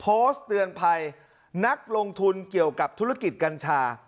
โพสต์เตือนภัยนักลงทุนเกี่ยวกับธุรกิจกัญชา